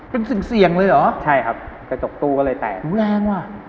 เป็นสิ่งเสี่ยงเลยเหรอใช่ครับกระจกตู้ก็เลยแตกหูแรงว่ะ